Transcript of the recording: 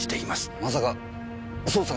まさか捜査に？